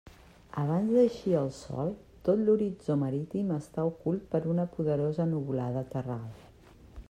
Abans d'eixir el sol tot l'horitzó marítim està ocult per una poderosa nuvolada terral.